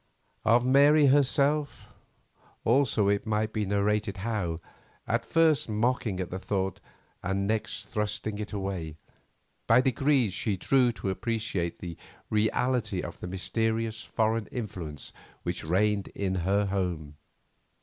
Of Mary herself, also, it might be narrated how, after first mocking at the thought and next thrusting it away, by degrees she grew to appreciate the reality of the mysterious foreign influence which reigned in her home.